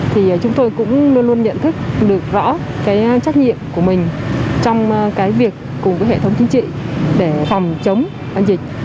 thì chúng tôi cũng luôn luôn nhận thức được rõ cái trách nhiệm của mình trong cái việc cùng với hệ thống chính trị để phòng chống dịch